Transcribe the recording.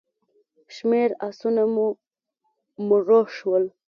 شمېر آسونه مو مړه شول.